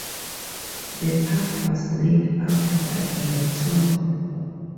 The park was laid out by Repton.